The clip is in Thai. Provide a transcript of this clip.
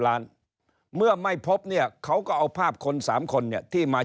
ล้านเมื่อไม่พบเนี่ยเขาก็เอาภาพคนสามคนเนี่ยที่มา